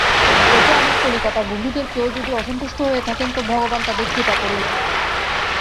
এতে আমার কলিকাতার বন্ধুদের কেউ যদি অসন্তুষ্ট হয়ে থাকেন তো ভগবান তাঁদের কৃপা করুন।